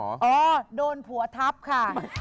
อ๋อโดนผัวทับค่ะ